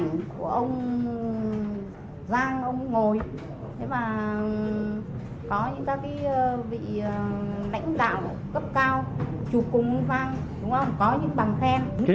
ảnh của ông giang ông ngồi có những cái vị lãnh đạo cấp cao chụp cùng vang có những bằng khen